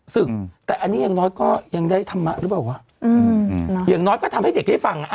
ศึกแต่อันนี้อย่างน้อยก็ยังได้ธรรมะหรือเปล่าวะอืมอย่างน้อยก็ทำให้เด็กได้ฟังอ่ะ